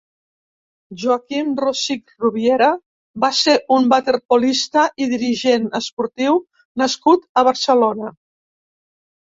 Joaquim Rosich Rubiera va ser un waterpolista i dirigent esportiu nascut a Barcelona.